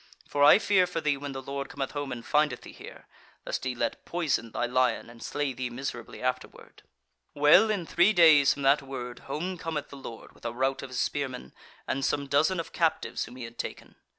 For I fear for thee when the Lord cometh home and findeth thee here; lest he let poison thy lion and slay thee miserably afterward.' "Well, in three days from that word home cometh the Lord with a rout of his spearmen, and some dozen of captives, whom he had taken.